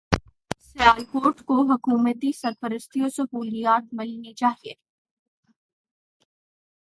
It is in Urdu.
سیالکوٹ کو حکومتی سرپرستی و سہولیات ملنی چاہیے